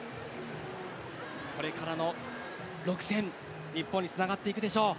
これからの６戦日本につながっていくでしょう。